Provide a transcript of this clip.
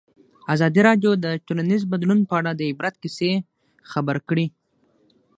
ازادي راډیو د ټولنیز بدلون په اړه د عبرت کیسې خبر کړي.